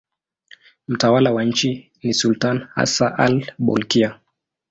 Mtawala wa nchi ni sultani Hassan al-Bolkiah.